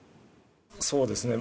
そうですね。